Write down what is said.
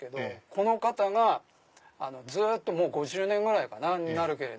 この方がずっと５０年ぐらいかななるけれど。